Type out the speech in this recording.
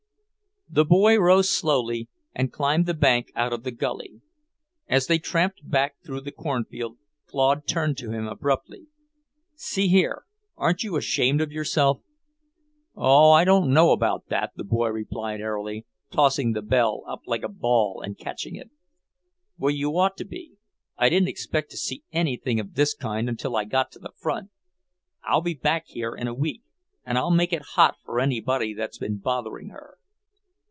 The boy rose slowly and climbed the bank out of the gully. As they tramped back through the cornfield, Claude turned to him abruptly. "See here, aren't you ashamed of yourself?" "Oh, I don't know about that!" the boy replied airily, tossing the bell up like a ball and catching it. "Well, you ought to be. I didn't expect to see anything of this kind until I got to the front. I'll be back here in a week, and I'll make it hot for anybody that's been bothering her."